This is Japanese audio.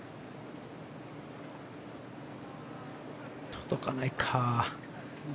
届かないか。